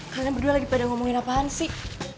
kalian berdua lagi pada ngomongin apaan sih